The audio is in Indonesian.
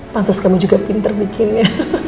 pantas kamu juga pinter bikinnya